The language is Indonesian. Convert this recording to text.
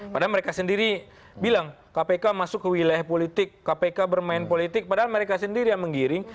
padahal mereka sendiri bilang kpk masuk ke wilayah politik kpk bermain politik padahal mereka sendiri yang menggiring